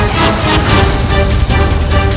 kau akan menang